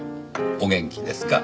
お元気ですか？」